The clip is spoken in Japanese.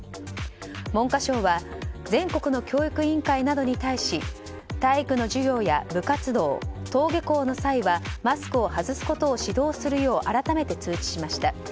文科省は全国の教育委員会などに対し体育の授業や部活動登下校の際はマスクを外すことを指導するよう改めて通知しました。